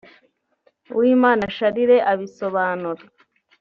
Uwimana Charles abisobanura